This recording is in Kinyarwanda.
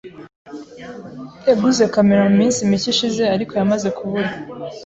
yaguze kamera muminsi mike ishize, ariko yamaze kubura.